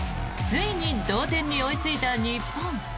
ついに同点に追いついた日本。